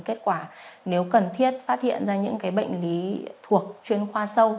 kết quả nếu cần thiết phát hiện ra những bệnh lý thuộc chuyên khoa sâu